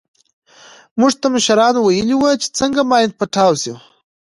موږ ته مشرانو ويلي وو چې څنگه ماين پټاو سو.